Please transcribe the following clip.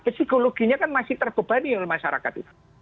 psikologinya kan masih terbebani oleh masyarakat itu